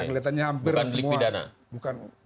ngeliatannya hampir semua bukan delik pidana